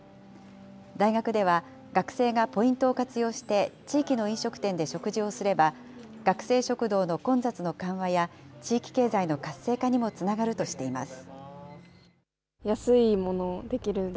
大学では、学生がポイントを活用して、地域の飲食店で食事をすれば、学生食堂の混雑の緩和や、地域経済の活性化にもつながるとしています。